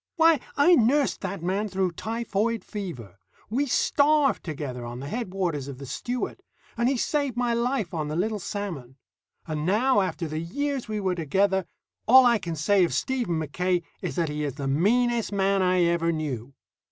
Why, I nursed that man through typhoid fever; we starved together on the headwaters of the Stewart; and he saved my life on the Little Salmon. And now, after the years we were together, all I can say of Stephen Mackaye is that he is the meanest man I ever knew.